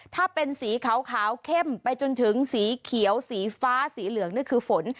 ถ้าเป็นสีขาวเข้มไปจนถึงสีเขียวสีฟ้าสีเหลืองนี่คือฝน